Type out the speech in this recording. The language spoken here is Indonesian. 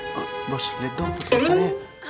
oh bos lihat dong foto pacarnya